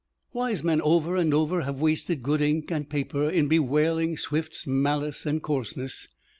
Wise men over and over have wasted good ink and paper in bewailing Swift's malice and coarseness.